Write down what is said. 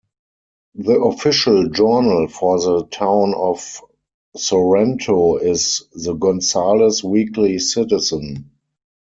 The official journal for the Town of Sorrento is "The Gonzales Weekly Citizen".